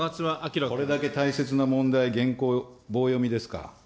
これだけ大切な問題、原稿棒読みですか。